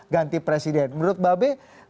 ganti presiden menurut mbak be